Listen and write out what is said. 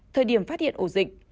thời điểm phát hiện ổ dịch